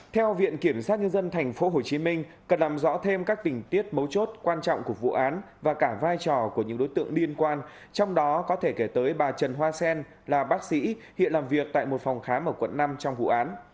theo viện kiểm sát nhân dân tp hcm cần làm rõ thêm các tình tiết mấu chốt quan trọng của vụ án và cả vai trò của những đối tượng liên quan trong đó có thể kể tới bà trần hoa sen là bác sĩ hiện làm việc tại một phòng khám ở quận năm trong vụ án